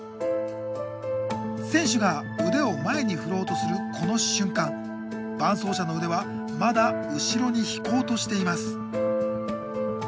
選手が腕を前に振ろうとするこの瞬間伴走者の腕はまだ後ろに引こうとしています。